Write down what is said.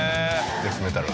デスメタル。